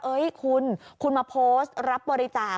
คุณคุณมาโพสต์รับบริจาค